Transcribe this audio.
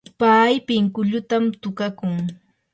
pay pinkullutam tukakun.